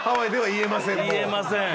言えません。